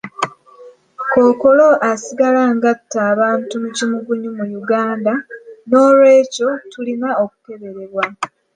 Kkookolo asigala nga atta abantu mu kimugunyu mu Uganda, n'olw'ekyo tulina okukeberebwa.